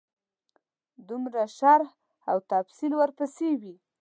دومره شرح او تفصیل ورپسې وي.